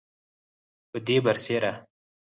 پدې برسیره